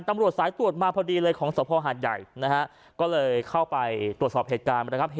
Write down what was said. ตำรวจสายตรวจมาพอดีเลยของสภหาดใหญ่นะฮะก็เลยเข้าไปตรวจสอบเหตุการณ์นะครับ